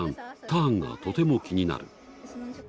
ターンが、とても気になる。